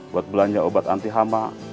buat belanja obat anti hama